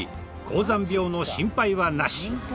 高山病の心配はなし。